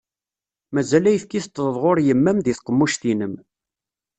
Mazal ayefki teṭṭḍeḍ ɣur yemma-m di tqemmuct-inem.